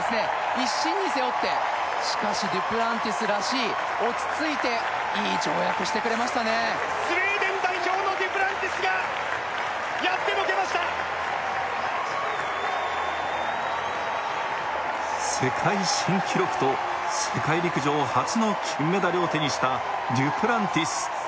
一身に背負ってしかしデュプランティスらしい落ち着いていい跳躍してくれましたねスウェーデン代表のデュプランティスがやってのけました世界新記録と世界陸上初の金メダルを手にしたデュプランティス